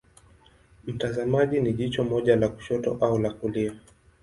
Mtazamaji ni jicho moja la kushoto au la kulia.